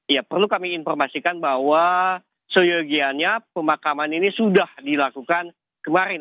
ya perlu kami informasikan bahwa seyogianya pemakaman ini sudah dilakukan kemarin